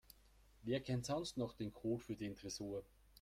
Wer kennt sonst noch den Code für den Tresor?